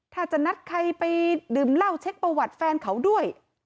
ถ้าจะนัดใครไปดื่มเหล้าเช็คประวัติแฟนเขาด้วย